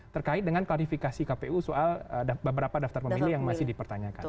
terkait dengan klarifikasi kpu soal beberapa daftar pemilih yang masih dipertanyakan